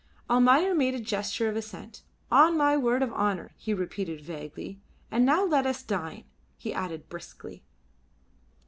Almayer made a gesture of assent. "On my word of honour," he repeated vaguely. "And now let us dine," he added briskly.